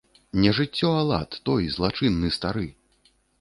Не жыццё, а лад, той злачынны стары.